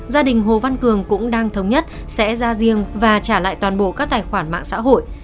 gia đình hồ văn cường cũng đang thống nhất sẽ ra riêng và trả lại toàn bộ các tài khoản mạng xã hội